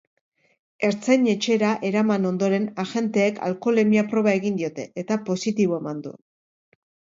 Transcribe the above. Ertzain-etxera eraman ondoren, agenteek alkoholemia-proba egin diote, eta positibo eman du.